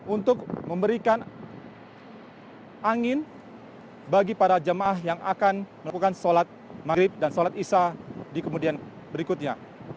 untuk memberikan angin bagi para jemaah yang akan melakukan sholat maghrib dan sholat isya di kemudian berikutnya